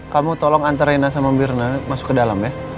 kamu tolong antar reina sama birna masuk ke dalam ya